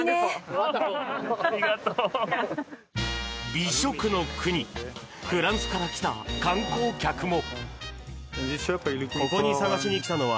美食の国フランスから来た観光客も。